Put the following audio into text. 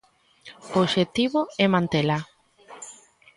O obxectivo é mantela.